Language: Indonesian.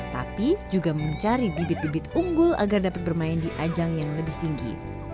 tapi juga mencari bibit bibit unggul agar dapat bermain di ajang yang lebih tinggi